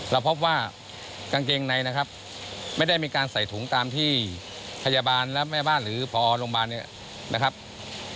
เราพบว่ากางเกงในนะครับไม่ได้มีการใส่ถุงตามที่พยาบาลและแม่บ้านหรือพอโรงพยาบาลเนี่ยนะครับ